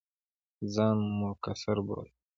ځان مقصِر بولم.